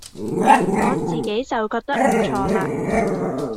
我自己就覺得唔錯啦